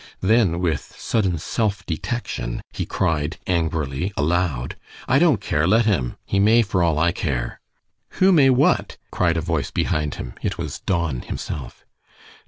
Then, with sudden self detection, he cried, angrily, aloud: "I don't care; let him; he may for all I care." "Who may what?" cried a voice behind him. It was Don himself.